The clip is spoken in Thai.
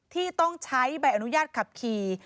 ที่ต้องใช้ใบอนุญาตขับขี่